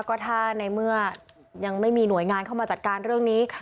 ก็ถ้าในเมื่อยังไม่มีหน่วยงานเข้ามาจัดการเรื่องนี้